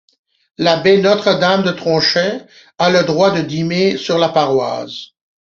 L’abbaye Notre-Dame du Tronchet a le droit de dîmer sur la paroisse.